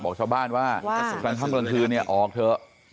บอกชาวบ้านว่าพันครรภ์กลับฟื้นที่นี่ออกเถอะ